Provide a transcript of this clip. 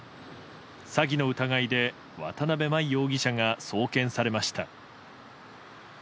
詐欺の疑いで渡辺真衣容疑者が送検されました。